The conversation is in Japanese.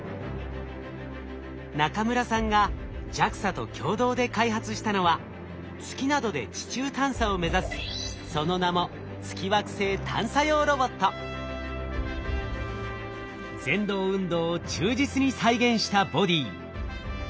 中村さんがＪＡＸＡと共同で開発したのは月などで地中探査を目指すその名も蠕動運動を忠実に再現したボディー。